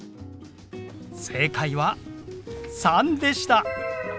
正解は３でした！